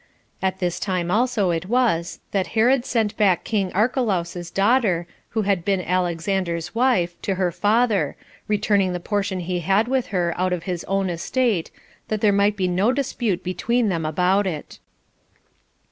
At this time also it was that Herod sent back king Archelaus's daughter, who had been Alexander's wife, to her father, returning the portion he had with her out of his own estate, that there might be no dispute between them about it.